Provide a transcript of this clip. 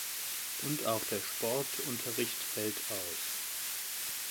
Und auch der Sportunterricht fällt aus.